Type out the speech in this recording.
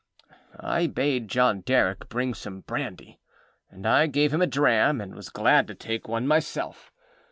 I bade John Derrick bring some brandy, and I gave him a dram, and was glad to take one myself.